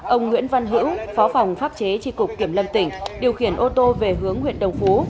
ông nguyễn văn hữu phó phòng pháp chế tri cục kiểm lâm tỉnh điều khiển ô tô về hướng huyện đồng phú